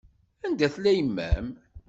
Anda tella yemma-m?